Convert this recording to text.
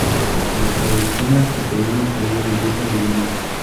La traducción al castellano sería "belleza divina".